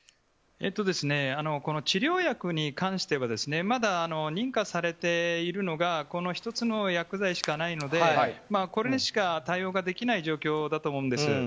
治療薬に関してはまだ認可されているのがこの１つの薬剤しかないのでこれしか対応ができない状況だと思うんです。